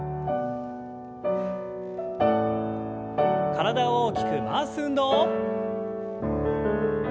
体を大きく回す運動。